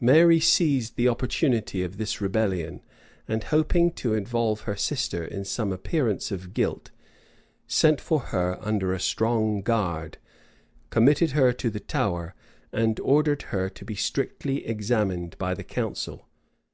Mary seized the opportunity of this rebellion; and hoping to involve her sister in some appearance of guilt, sent for her under a strong guard, committed her to the Tower, and ordered her to be strictly examined by the council.